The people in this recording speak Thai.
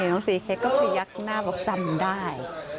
น้องซีเค้กก็พยักหน้าบอกจำได้